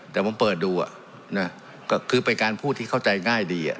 แต่ผมเปิดดูก็คือเป็นการพูดที่เข้าใจง่ายดี